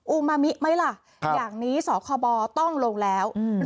ูมามิไหมล่ะอย่างนี้สคบต้องลงแล้ว